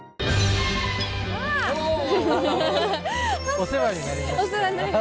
お世話になりました。